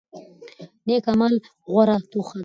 نیک اعمال غوره توښه ده.